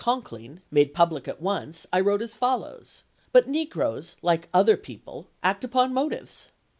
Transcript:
Conkling, made public at once, I wrote as follows : Aug., 1864. ' But negroes, like other people, act upon motives.